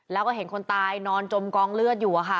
แล้วก็เห็นคนตายนอนจมกองเลือดอยู่ค่ะ